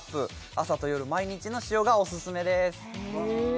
朝と夜毎日の使用がオススメです